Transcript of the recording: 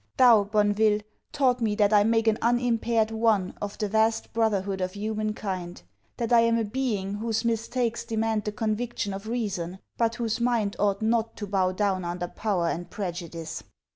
Thou, Bonneville, taught me that I make an unimpaired one of the vast brotherhood of human kind; that I am a being whose mistakes demand the conviction of reason, but whose mind ought not to bow down under power and prejudice.